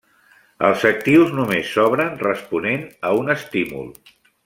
Els actius només s'obren responent a un estímul.